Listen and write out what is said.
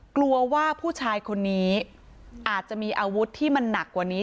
กลัวว่าผู้ชายคนนี้อาจจะมีอาวุธที่มันหนักกว่านี้